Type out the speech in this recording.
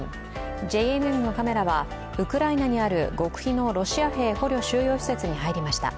ＪＮＮのカメラはウクライナにある極秘のロシア塀捕虜収容施設に入りました。